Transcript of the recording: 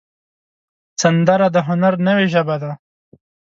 سندره د هنر نوې ژبه ده